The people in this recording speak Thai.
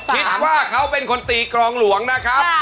คิดว่าเขาเป็นคนตีกรองหลวงนะครับ